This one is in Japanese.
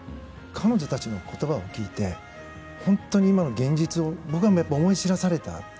彼女たちの言葉を聞いて本当の今の現実を僕は思い知らされた。